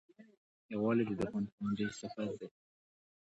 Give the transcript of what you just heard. یووالی د دښمن پر وړاندې سپر دی.